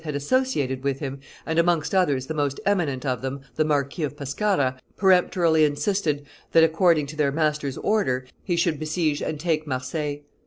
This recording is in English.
had associated with him, and amongst others the most eminent of them, the Marquis of Pescara, peremptorily insisted that, according to their master's order, he should besiege and take Marseilles.